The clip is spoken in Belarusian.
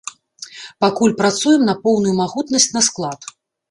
Пакуль працуем на поўную магутнасць на склад.